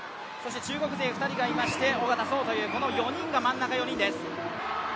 中国勢２人がいまして、小方颯という真ん中４人です。